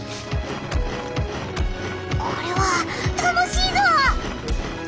これは楽しいぞ！